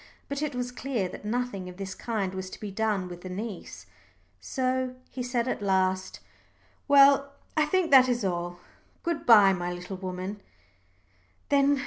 But it was clear that nothing of this kind was to be done with the niece. So he said at last, "Well, I think that is all. Good bye, my little woman, then.